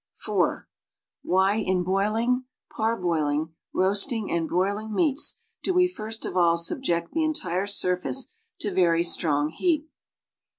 (i) Why in boiling, parboiling, roasting and broiling meats do we first of all subject the entire surface to very strong heat?